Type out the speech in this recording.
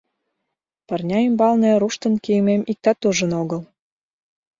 Пырня ӱмбалне руштын кийымем иктат ужын огыл...